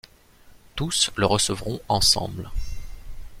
Tous le recevront ensemble.